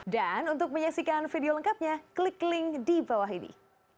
dan untuk menyaksikan video lengkapnya klik link di bawah ini